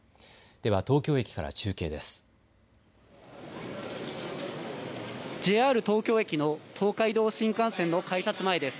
では東京駅から中継です。